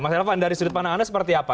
mas elvan dari sudut pandang anda seperti apa